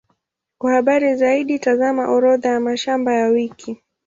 Kwa habari zaidi, tazama Orodha ya mashamba ya wiki.